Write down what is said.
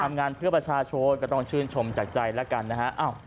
ทำงานเพื่อประชาชนก็ต้องชื่นชมจากใจแล้วกันนะฮะ